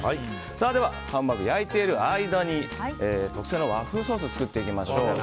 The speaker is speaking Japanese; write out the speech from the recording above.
ではハンバーグを焼いている間に特製の和風ソースを作っていきましょう。